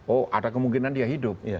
oh ada kemungkinan dia hidup